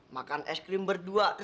makan es krim berdua